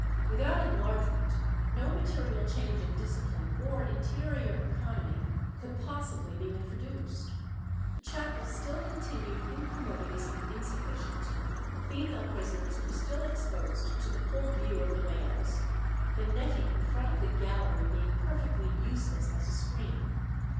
Without enlargement no material change in discipline or interior economy could possibly be introduced. The chapel still continued incommodious and insufficient; female prisoners were still exposed to the full view of the males, the netting in front of the gallery being perfectly useless as a screen.